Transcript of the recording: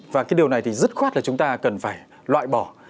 và cái điều này thì dứt khoát là chúng ta cần phải loại bỏ